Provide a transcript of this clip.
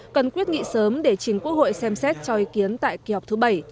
cần quyết nghị sớm để chính quốc hội xem xét cho ý kiến tại kỳ họp thứ bảy